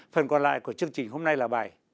phần còn lại của chương trình hôm nay là bài